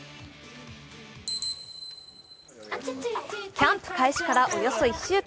キャンプ開始からおよそ１週間。